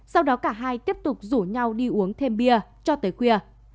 sau đó cả hai tiếp tục rủ nhau đi uống thêm bia cho tới khuya